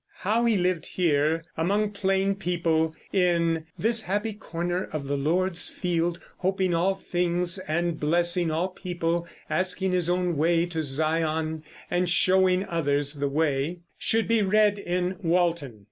How he lived here among plain people, in "this happy corner of the Lord's field, hoping all things and blessing all people, asking his own way to Sion and showing others the way," should be read in Walton.